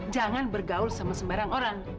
jangan bergaul sama sembarang orang